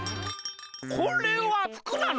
これはふくなの？